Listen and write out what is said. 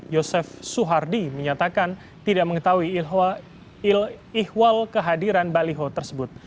yosef suhardi menyatakan tidak mengetahui ihwal kehadiran baliho tersebut